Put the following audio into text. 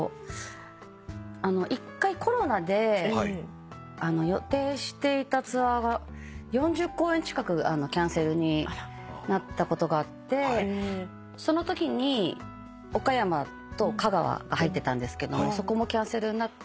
１回コロナで予定していたツアーが４０公演近くキャンセルになったことがあってそのときに岡山と香川が入ってたんですけどもそこもキャンセルになって。